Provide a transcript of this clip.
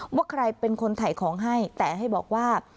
ว่าใครเป็นคนถ่ายของให้แต่ให้บอกว่า